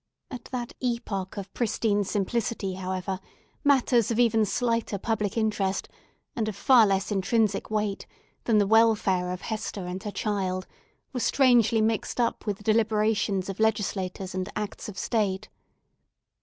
At that epoch of pristine simplicity, however, matters of even slighter public interest, and of far less intrinsic weight than the welfare of Hester and her child, were strangely mixed up with the deliberations of legislators and acts of state.